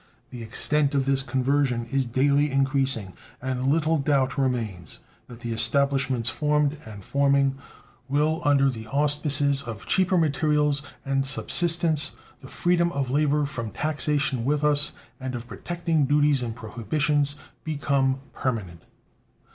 The extent of this conversion is daily increasing, and little doubt remains that the establishments formed and forming will, under the auspices of cheaper materials and subsistence, the freedom of labor from taxation with us, and of protecting duties and prohibitions, become permanent.